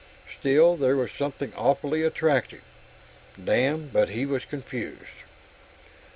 Still, there was something awfully attractive.... Damn, but he was confused!